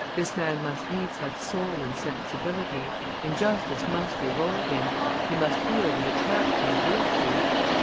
This man must needs have soul and sensibility; injustice must revolt him; he must feel the attraction of virtue.